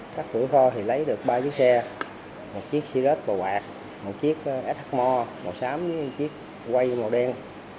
các cửa kho thì lấy được ba chiếc xe một chiếc xí rết và quạt một chiếc sh mo màu xám với một chiếc quay màu đen